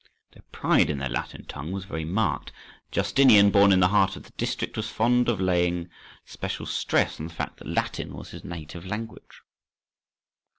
Their pride in their Latin tongue was very marked: Justinian, born in the heart of the district, was fond of laying special stress on the fact that Latin was his native language.